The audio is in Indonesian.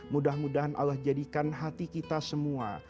mudah mudahan allah jadikan hati kita semua